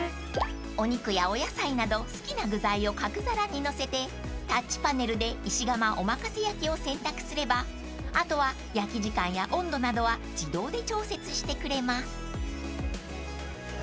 ［お肉やお野菜など好きな具材を角皿にのせてタッチパネルで石窯おまかせ焼きを選択すればあとは焼き時間や温度などは自動で調節してくれます］